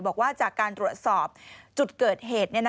บอกว่าจากการตรวจสอบจุดเกิดเหตุ